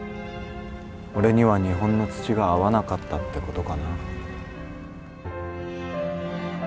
俺には日本の土が合わなかったってことかな。